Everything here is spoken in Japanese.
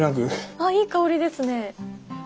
あっいい香りですね。